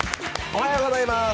おはようございます。